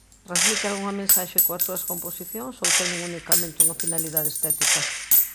Transmite algunha mensaxe coas súas composicións ou teñen unicamente unha finalidade estética?